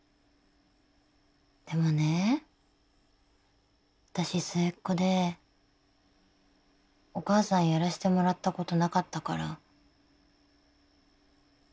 でもね私末っ子でお母さんやらしてもらったことなかったから。